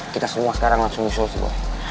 kita semua sekarang langsung musuh sih boy